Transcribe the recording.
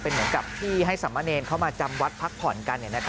เหมือนกับที่ให้สามเณรเข้ามาจำวัดพักผ่อนกัน